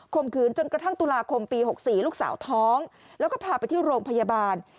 มขืนจนกระทั่งตุลาคมปี๖๔ลูกสาวท้องแล้วก็พาไปที่โรงพยาบาล